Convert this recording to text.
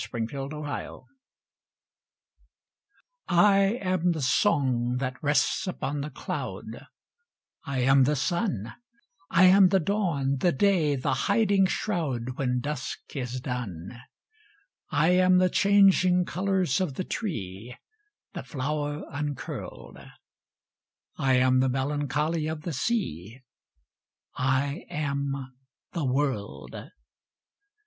I AM THE WORLD I am the song, that rests upon the cloud; I am the sun: I am the dawn, the day, the hiding shroud, When dusk is done. I am the changing colours of the tree; The flower uncurled: I am the melancholy of the sea; I am the world.